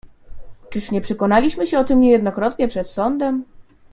"Czyż nie przekonaliśmy się o tem niejednokrotnie przed sądem?"